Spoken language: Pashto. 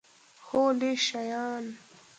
هو، لږ شیان